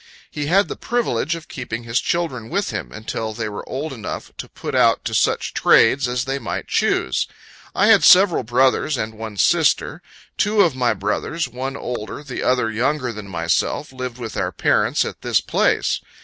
He had the privilege of keeping his children with him, until they were old enough to put out to such trades as they might choose. I had several brothers and one sister. Two of my brothers, one older, the other younger than myself, lived with our parents, at this place.